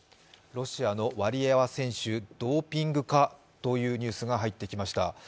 ロシアのワリエワ選手、ドーピングかというニュースが入ってきました。